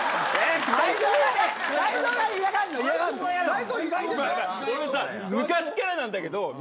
まあまあ昔からなんだけど。